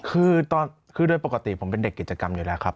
คือโดยปกติผมเป็นเด็กกิจกรรมอยู่แล้วครับ